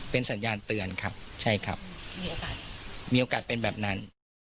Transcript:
เป็นสัญญาณเตือนครับใช่ครับมีโอกาสมีโอกาสเป็นแบบนั้น